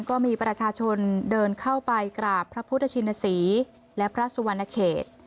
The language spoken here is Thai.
ก็มีประชาชนเดินเข้าไปกราบพระพุทธชินศรีและพระสุวรรณเขต